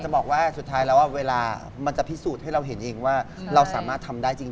มันจะพิสูจน์ให้เราเห็นว่าเราสามารถทำได้จริง